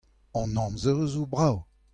An amzer a zo brav.